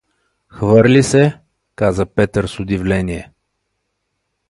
— Хвърли ли се? — каза Петър с удивление.